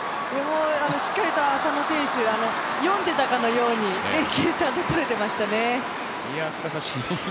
しっかりと浅野選手、読んでいたかのように、連係がちゃんととれていましたね。